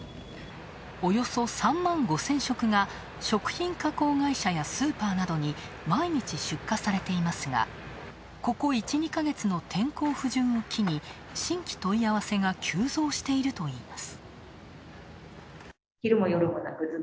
およそ３万５０００食が食品加工会社やスーパーなどに毎日出荷されていますが、ここ１、２ヶ月の天候不順を機に新規問い合わせが急増しているといいます。